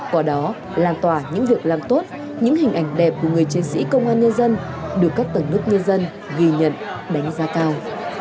quả đó làn tỏa những việc làm tốt những hình ảnh đẹp của người chiến sĩ công an nhân dân được các tầng nước nhân dân ghi nhận đánh giá cao